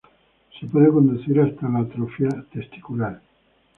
Se puede conducir hasta la atrofia testicular.